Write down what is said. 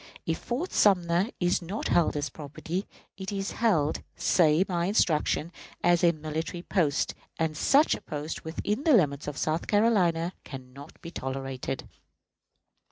If Fort Sumter is not held as property, it is held," say my instructions, "as a military post, and such a post within the limits of South Carolina can not be tolerated."